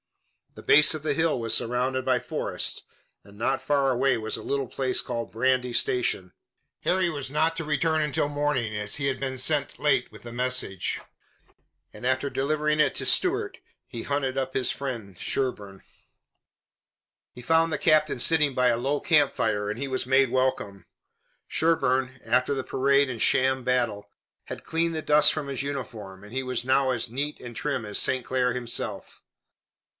The base of the hill was surrounded by forest, and not far away was a little place called Brandy Station. Harry was not to return until morning, as he had been sent late with the message, and after delivering it to Stuart he hunted up his friend Sherburne. He found the captain sitting by a low campfire and he was made welcome. Sherburne, after the parade and sham battle, had cleaned the dust from his uniform and he was now as neat and trim as St. Clair himself.